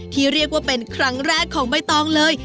ที่เรียกว่าเป็นครั้งแรกของใบตองเลย